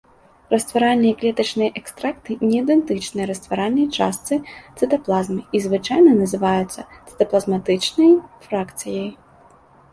Растваральныя клетачныя экстракты не ідэнтычныя растваральнай частцы цытаплазмы і звычайна называюцца цытаплазматычнай фракцыяй.